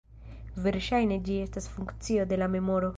Verŝajne ĝi estas funkcio de la memoro.